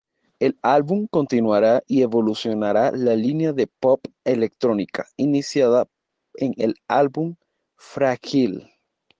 El álbum continuará y evolucionará la línea pop-electrónica iniciada en el álbum "Frágil".